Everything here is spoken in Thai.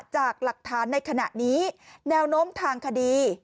จากหลักฐานในขณะนี้แนวโน้มทางคดี